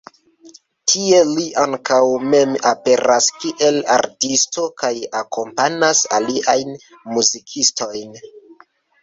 Tie li ankaŭ mem aperas kiel artisto kaj akompanas aliajn muzikistojn.